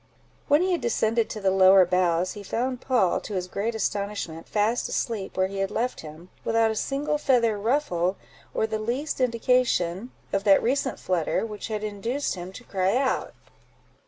When he had descended to the lower boughs, he found Poll, to his great astonishment, fast asleep where he had left him, without a single feather ruffled or the least indication of that recent flutter which had induced him to cry out.